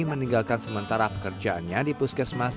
meninggalkan sementara pekerjaannya di puskesmas